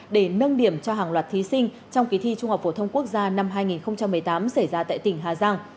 để nâng điểm cho hàng loạt thí sinh trong kỳ thi trung học phổ thông quốc gia năm hai nghìn một mươi tám xảy ra tại tỉnh hà giang